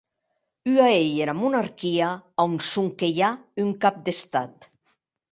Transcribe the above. Ua ei era monarquia, a on sonque i a un cap d'Estat.